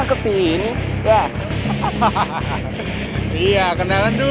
aku bakal buka